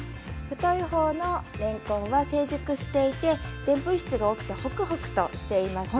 太い方のれんこんは成熟していてでんぷん質が多くてホクホクとしています。